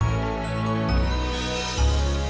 sampai jumpa lagi